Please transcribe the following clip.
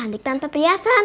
cantik tanpa priasan